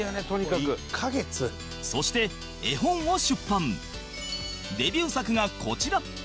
そして絵本を出版デビュー作がこちら